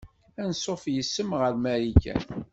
Anṣuf yes-m ɣer Marikan.